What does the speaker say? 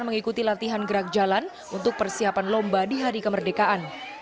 mengikuti latihan gerak jalan untuk persiapan lomba di hari kemerdekaan